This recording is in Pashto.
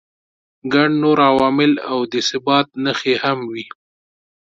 ګڼ نور عوامل او د ثبات نښې هم وي.